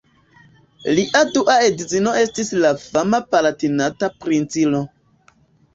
Lia dua edzino estis la fama Palatinata princino.